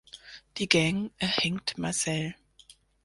Die Gang erhängt Marcel.